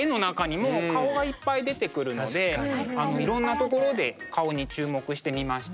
いろんなところで顔に注目してみました。